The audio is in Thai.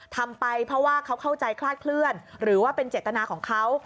ทำไปเพราะว่าเขาเข้าใจคลาดเคลื่อนหรือว่าเป็นเจตนาของเขา